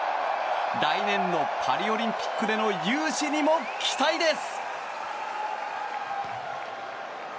来年のパリオリンピックでの雄姿にも期待です！